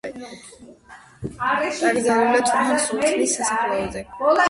დაკრძალულია თურჰან სულთნის სასაფლაოზე.